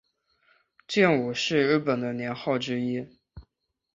建武是日本的年号之一。